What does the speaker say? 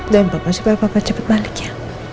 jangan papa supaya papa cepet balik ya